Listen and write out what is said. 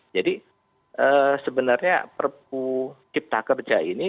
jadi sebenarnya perpu cipta kerja ini